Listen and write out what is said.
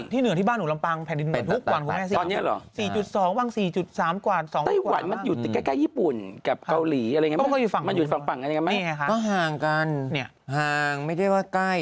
ที่เหนือที่บ้านหนูลำปังแผ่นดินไหวทุกหวันคุณแม่สิครับ